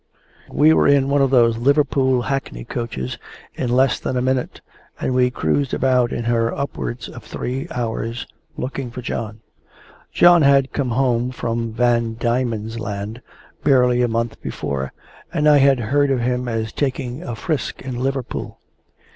We were in one of those Liverpool hackney coaches in less than a minute, and we cruised about in her upwards of three hours, looking for John. John had come home from Van Diemen's Land barely a month before, and I had heard of him as taking a frisk in Liverpool.